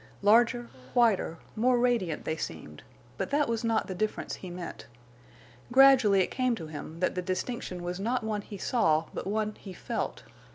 Larger, whiter, more radiant they seemed; but that was not the difference he meant. Gradually it came to him that the distinction was not one he saw, but one he felt.